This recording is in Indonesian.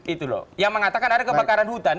itu loh yang mengatakan ada kebakaran hutan